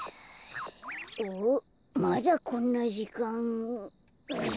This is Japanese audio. おっまだこんなじかん。